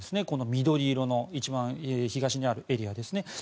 この緑色の一番東にあるエリアですね。